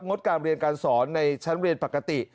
ดการเรียนการสอนในชั้นเรียนปกติ